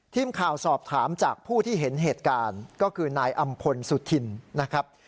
ทีมข่าวสอบถามจากผู้ที่เห็นเหตุการณ์ก็คือนายอำพลสุธินนะครับ